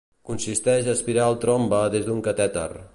Consisteix a aspirar el trombe des d'un catèter.